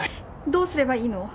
どうすればいいの？